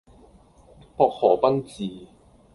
薄荷賓治